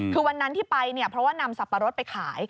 คือวันนั้นที่ไปเนี่ยเพราะว่านำสับปะรดไปขาย